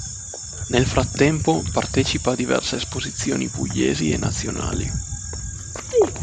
Nel frattempo, partecipa a diverse esposizioni pugliesi e nazionali.